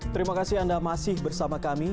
terima kasih anda masih bersama kami